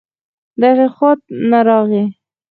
دغې خوا نه راغی